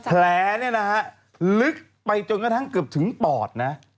แผลลึกไปจนกระทั่งเกือบถึงปอด